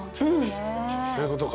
そういうことか。